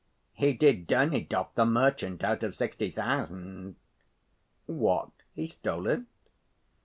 He did Dernidov, the merchant, out of sixty thousand." "What, he stole it?"